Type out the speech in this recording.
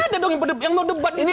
ya enggak ada dong yang mau debat itu